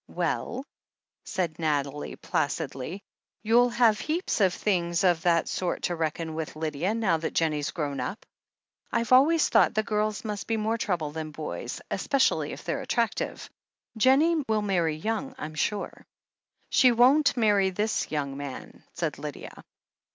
"Well," said Nathalie placidly, "you'll have heaps of things of that sort to reckon with, Lydia, now that Jennie's grown up. I've always thought that girls must be more trouble than boys, especially if they're attrac tive. Jennie will marry young, I'm sure." "She won't marry this young man," said Lydia.